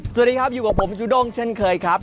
สวัสดีครับอยู่กับผมจูด้งเช่นเคยครับ